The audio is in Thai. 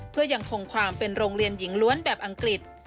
เพื่อยังคงความเป็นโรงเรียนหญิงล้วนแบบอังกฤษ